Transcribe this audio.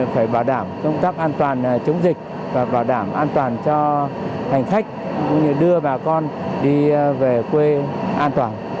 phải bảo đảm công tác an toàn chống dịch và bảo đảm an toàn cho hành khách cũng như đưa bà con đi về quê an toàn